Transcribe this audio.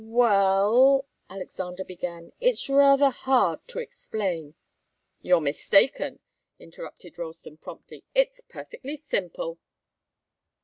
"Well " Alexander began, "it's rather hard to explain " "You're mistaken," interrupted Ralston, promptly. "It's perfectly simple.